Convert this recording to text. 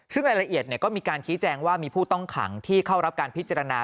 ซึ่งรายละเอียดก็มีการชี้แจงว่ามีผู้ต้องขังที่เข้ารับการพิจารณา